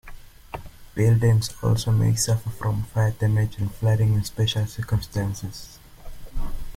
Buildings also may suffer from fire damage and flooding in special circumstances.